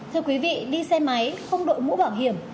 thưa quý vị đi xe máy không đội mũ bảo hiểm